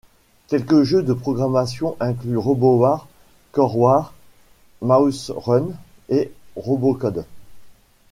Quelques jeux de programmation incluent RobotWar, Core War, Mouse Run et Robocode.